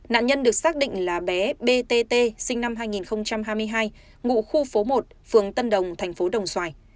nạn nhân được xác định là bé btt sinh năm hai nghìn hai mươi hai ngụ khu phố một phường tân đồng thành phố đồng xoài